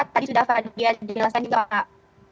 tadi sudah fadiyah jelaskan juga pak